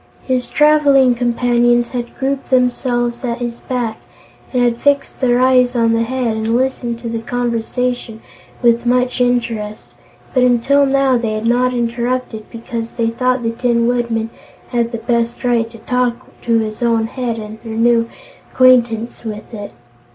His traveling companions had grouped themselves at his back, and had fixed their eyes on the Head and listened to the conversation with much interest, but until now, they had not interrupted because they thought the Tin Woodman had the best right to talk to his own head and renew acquaintance with it.